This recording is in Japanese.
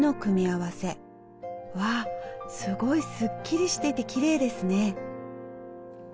わあすごいスッキリしていてきれいですね。